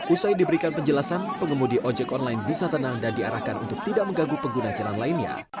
usai diberikan penjelasan pengemudi ojek online bisa tenang dan diarahkan untuk tidak mengganggu pengguna jalan lainnya